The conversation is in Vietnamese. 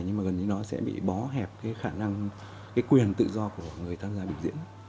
nhưng mà gần như nó sẽ bị bó hẹp cái khả năng cái quyền tự do của người tham gia biểu diễn